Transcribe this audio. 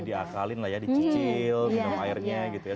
jadi diakalin lah ya dicicil minum airnya gitu ya